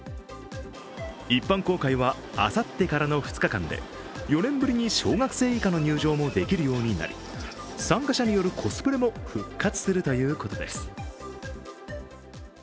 一般公開はあさってからの２日間で、４年ぶりに小学生以下の入場もできるようになり参加者によるコスプレも復活するということです。